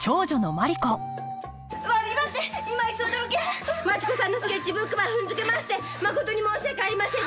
「マチ子さんのスケッチブックば踏んづけましてまことに申し訳ありませんでした」って！